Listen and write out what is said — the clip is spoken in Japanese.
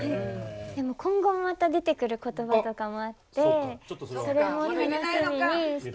でも今後もまた出てくる言葉とかもあってそれも楽しみにしてますし。